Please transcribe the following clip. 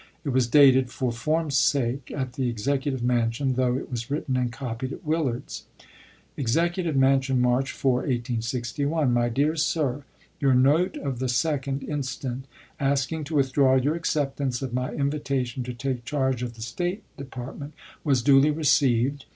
It was dated, for form's sake, at the Executive Mansion, though it was written and copied at Willard's. Executive Mansion, March 4, 1861. My Dear Sir : Your note of the 2d instant, asking to withdraw your acceptance of my invitation to take charge of the State Department, was duly received.